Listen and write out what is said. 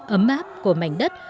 ấm áp của mảnh đất